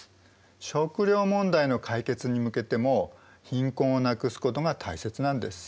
食料問題の解決に向けても貧困をなくすことが大切なんです。